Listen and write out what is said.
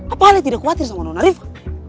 apa ala tidak khawatir sama nona rifa